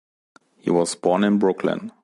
He was born in Brooklyn.